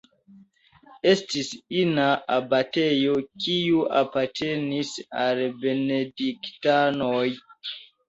Estis ina abatejo, kiu apartenis al benediktanoj.